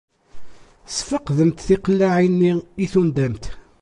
Sfeqdemt tiqellaɛin-nni i tundamt.